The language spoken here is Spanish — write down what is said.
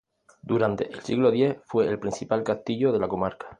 Durante el siglo X fue el principal castillo de la comarca.